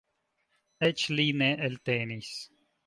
Eĉ li ne eltenis.